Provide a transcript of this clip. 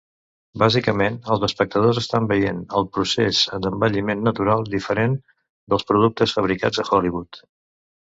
Bàsicament, els espectadors estan veient el procés d'envelliment natural, diferent dels productes fabricats a Hollywood.